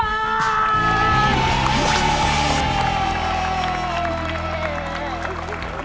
แสนบาท